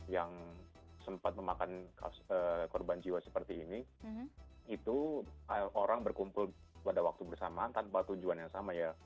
yang sempat memakan korban jiwa seperti ini itu orang berkumpul pada waktu bersamaan tanpa tujuan yang sama ya